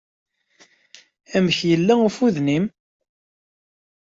Amek yella ufud-nnem?